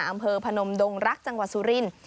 อำเภอพนมดงรักจังหวัดสุรินทร์